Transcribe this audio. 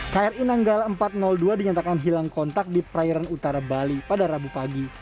kri nanggala empat ratus dua dinyatakan hilang kontak di perairan utara bali pada rabu pagi